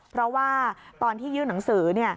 เพราะว่าตอนที่ยื่นหนังสือ